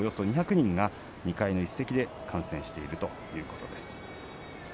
およそ２００人が２階のいす席で観戦しているということです。